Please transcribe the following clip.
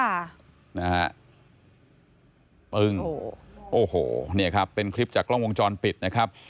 โอ้โหปึ้งโอ้โหเนี่ยครับเป็นคลิปจากกล้องวงจรปิดนะครับ